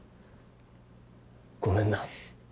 ごめんな。